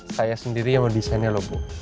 saya sendiri yang mendesainnya logo